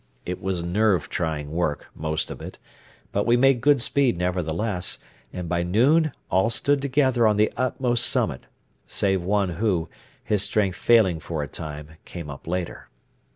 It was nerve trying work, most of it, but we made good speed nevertheless, and by noon all stood together on the utmost summit, save one who, his strength failing for a time, came up later.